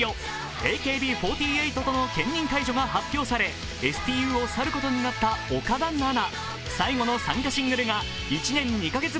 ＡＫＢ４８との兼任解除が発表されＳＴＵを去ることになった岡田奈々。